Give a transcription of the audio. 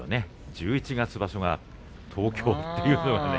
十一月場所が東京というのは。